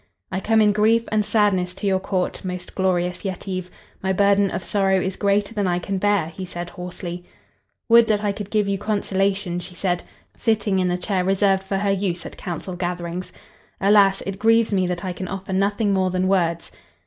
"I come in grief and sadness to your Court, most glorious Yetive. My burden of sorrow is greater than I can bear," he said, hoarsely. "Would that I could give you consolation," she said, sitting in the chair reserved for her use at council gatherings. "Alas! it grieves me that I can offer nothing more than words."